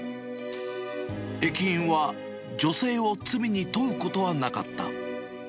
駅員は女性を罪に問うことはなかった。